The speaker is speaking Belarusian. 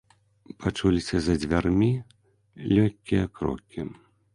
Пачуліся за дзвярмі лёгкія крокі.